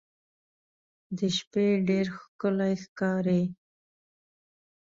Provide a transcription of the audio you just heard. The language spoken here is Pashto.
د شپې ډېر ښکلی ښکاري.